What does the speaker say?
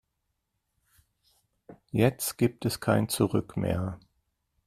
Jetzt gibt es kein Zurück mehr.